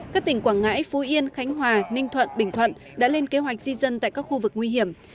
các tỉnh quảng ngãi phú yên khánh hòa ninh thuận bình thuận đã lên kế hoạch di dân tại các khu vực nguy hiểm